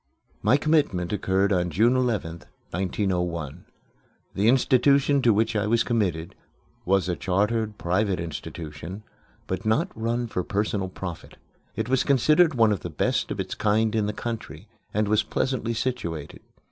My commitment occurred on June 11th, 1901. The institution to which I was committed was a chartered, private institution, but not run for personal profit. It was considered one of the best of its kind in the country and was pleasantly situated.